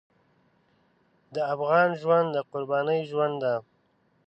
د افغان ژوند د قربانۍ ژوند دی.